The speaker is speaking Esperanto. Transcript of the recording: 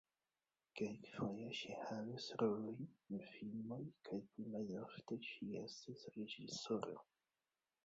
Kelkfoje ŝi havis rolojn en filmoj kaj pli malofte ŝi estis reĝisoro.